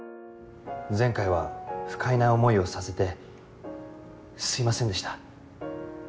前回は不快な思いをさせてすいませんでした。